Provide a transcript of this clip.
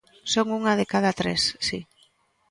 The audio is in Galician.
Son unha de cada tres, si.